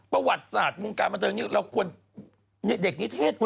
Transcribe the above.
ประวัติศาสตร์มุมการมันจะอยู่อยู่